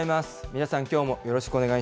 皆さん、きょうもよろしくお願い